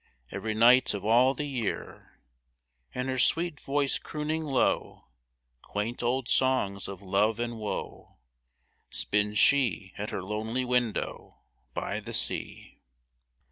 Every night of all the year, And her sweet voice crooning low. Quaint old songs of love and woe, Spins she at her lonely window, By the sea.